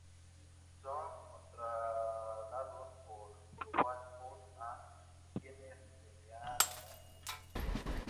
Son controlados por Goa'uld a quienes se les ha lavado el cerebro.